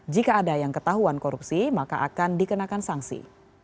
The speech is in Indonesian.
jika ada yang ketahuan korupsi maka akan dikenakan sanksi